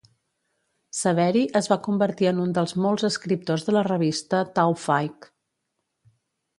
Saberi es va convertir en un dels molts escriptors de la revista "Towfigh".